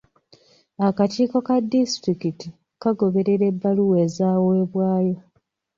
Akakiiko ka disitulikiti kagoberera ebbaluwa ezaweebwayo.